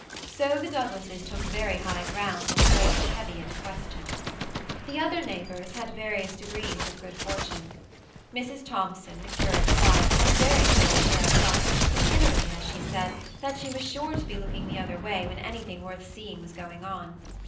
So the Douglases took very high ground on the great Teviot question. The other neighbors had various degrees of good for tune. Mrs. Thompson, the curate's wife, had a very fair share of luck, considering, as she said, that she was sure to be looking the other way when anything worth seeing was going on.